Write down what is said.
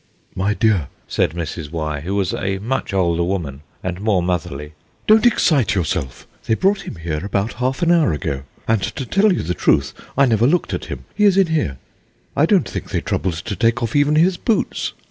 "My dear," said Mrs. Y., who was a much older woman, and more motherly, "don't excite yourself. They brought him here about half an hour ago, and, to tell you the truth, I never looked at him. He is in here. I don't think they troubled to take off even his boots.